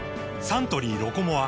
サントリー「ロコモア」